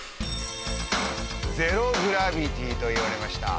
ゼロ・グラビティと言われました。